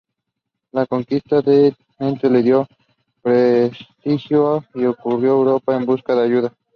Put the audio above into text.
La conquista de Damieta le dio prestigio y recorrió Europa en busca de ayuda.